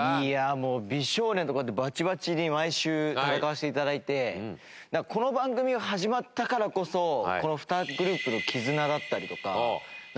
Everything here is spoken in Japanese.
もう美少年とこうやってバチバチに毎週戦わせて頂いてこの番組が始まったからこそこの２グループの絆だったりとかそういうのが生まれて。